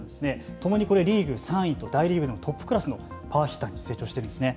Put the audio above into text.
共にリーグ３位と大リーグでもトップクラスのパワーヒッターに成長しているんですね。